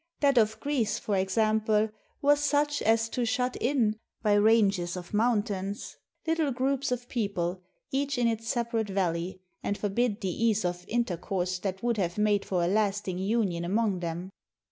That of Greece, for example, was such as to shut in, by ranges of mountains, little groups of people, each in its separate valley, and forbid the ease of intercourse that would have made for a lasting union among them.